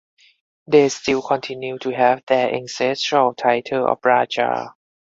They still continued to have their ancestral title of Raja.